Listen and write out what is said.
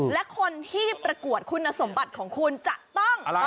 และคนที่ประกวดคุณสมบัติของคุณจะต้อง